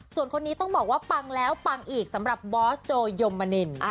ส่วนคนนี้ต้องบอกว่าปังแล้วปังอีกสำหรับบอสโจยมมนิน